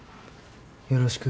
よろしく。